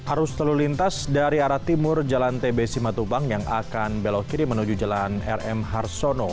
arus lalu lintas dari arah timur jalan tbc matubang yang akan belok kiri menuju jalan rm harsono